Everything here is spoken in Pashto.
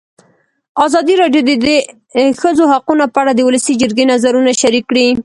ازادي راډیو د د ښځو حقونه په اړه د ولسي جرګې نظرونه شریک کړي.